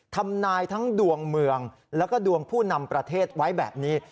ทำนายทั้งดวงเมืองแล้วก็ดวงผู้นำประเทศไว้แบบนี้